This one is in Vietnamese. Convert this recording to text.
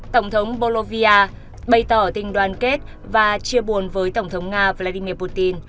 tổng thống bolivia bày tỏ tình đoan kết và chia buồn với tổng thống nga vladimir putin